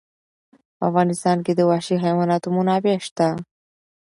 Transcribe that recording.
په افغانستان کې د وحشي حیواناتو منابع شته.